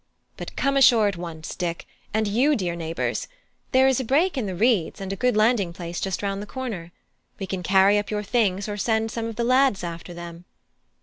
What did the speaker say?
But come ashore at once, Dick, and you, dear neighbours; there is a break in the reeds and a good landing place just round the corner. We can carry up your things, or send some of the lads after them."